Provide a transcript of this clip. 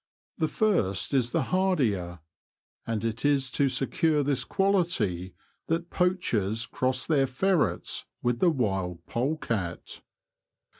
The first is the hardier, and it is to secure this quality that poachers cross their ferrets with the wild polecat.